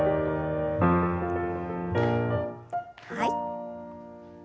はい。